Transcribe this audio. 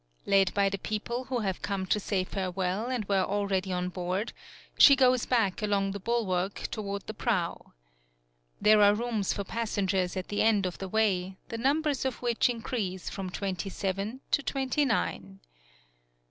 Led by the people who have come to say farewell and were already on board, she goes back along the bulwark toward the prow. There are rooms for pas sengers at the end of the way, the num bers of which increase from twenty seven to twenty nine.